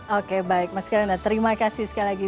oke baik mas kanda terima kasih sekali lagi